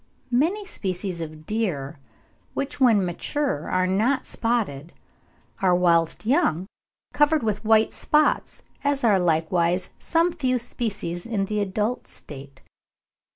Many species of deer, which when mature are not spotted, are whilst young covered with white spots, as are likewise some few species in the adult state.